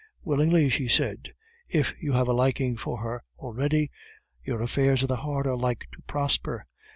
"Willingly," she said. "If you have a liking for her already, your affairs of the heart are like to prosper.